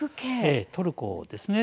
トルコですね。